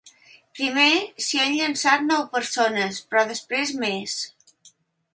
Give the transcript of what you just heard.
Primer s’hi han llançat nou persones, però després més.